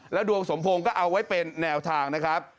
ดวงสมพงศ์ก็เอาไว้เป็นแนวทางนะครับ